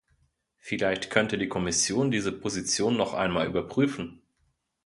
Vielleicht könnte die Kommission diese Position noch einmal überprüfen.